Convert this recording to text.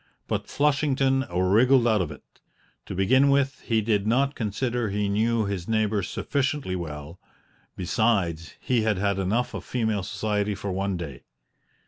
But Flushington wriggled out of it. To begin with, he did not consider he knew his neighbor sufficiently well; besides, he had had enough of female society for one day.